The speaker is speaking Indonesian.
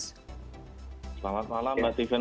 selamat malam mbak tiffany